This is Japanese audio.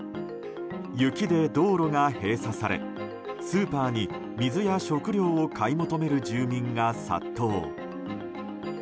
雪で道路が閉鎖されスーパーに水や食料を買い求める住民が殺到。